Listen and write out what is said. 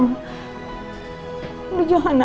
itu jauh jauh namanya